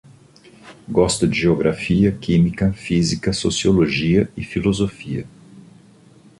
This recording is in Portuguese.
Gosto de geografia, química, física, sociologia e filosofia